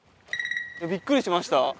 びっくりしました